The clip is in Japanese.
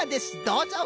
どうぞ！